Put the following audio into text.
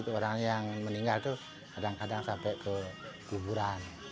orang yang meninggal itu kadang kadang sampai ke kuburan